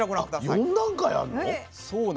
４段階あるの？